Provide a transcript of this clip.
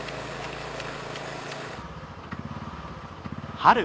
春。